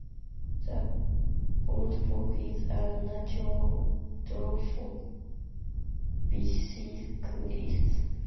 The boardwalk is a natural draw for bicyclists.